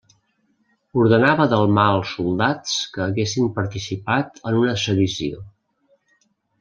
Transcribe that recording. Ordenava delmar als soldats que haguessin participat en una sedició.